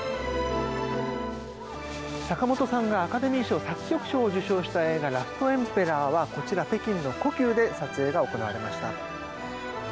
坂本さんがアカデミー作曲賞を受賞した映画「ラストエンペラー」はこちら、北京で撮影が行われました。